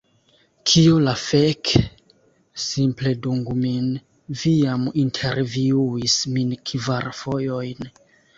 Kio la fek?! Simple dungu min, vi jam intervjuis min kvar fojojn!